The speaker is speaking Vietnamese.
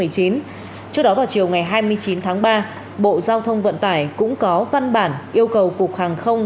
trước đó vào chiều ngày hai mươi chín tháng ba bộ giao thông vận tải cũng có văn bản yêu cầu cục hàng không